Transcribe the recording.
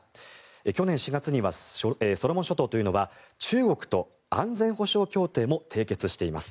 去年４月にはソロモン諸島というのは中国と安全保障協定も締結しています。